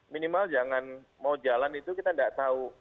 minimal jangan mau jalan itu kita tidak tahu